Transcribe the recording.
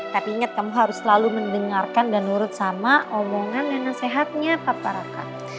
tapi ingat kamu harus selalu mendengarkan dan urut sama omongan dan nasihatnya pak raka